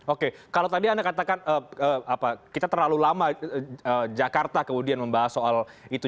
oke kalau tadi anda katakan kita terlalu lama jakarta kemudian membahas soal itu